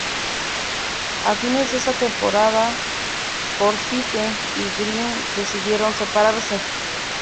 A fines de esa temporada, Forsythe y Green decidieron separarse.